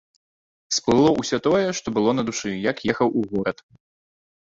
Сплыло ўсё тое, што было на душы, як ехаў у горад.